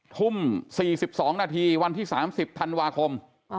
ทุ่มสี่สิบสองนาทีวันที่สามสิบธันวาคมอ๋อ